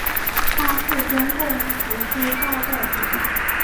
他是中共十七大代表。